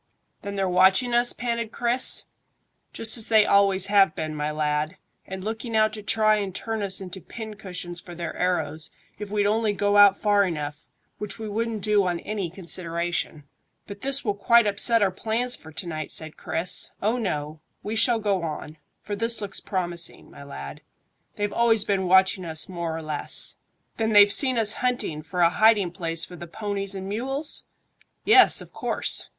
"Then they're watching us?" panted Chris. "Just as they always have been, my lad, and looking out to try and turn us into pin cushions for their arrows, if we'd only go out far enough, which we wouldn't do on any consideration." "But this will quite upset our plans for to night," said Chris. "Oh no. We shall go on; for this looks promising, my lad. They've always been watching us more or less." "Then they've seen us hunting for a hiding place for the ponies and mules?" "Yes, of course."